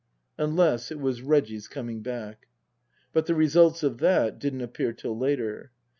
Unless it was Reggie's coming back. But the results of that didn't appear till later.